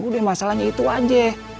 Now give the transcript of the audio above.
udah masalahnya itu aja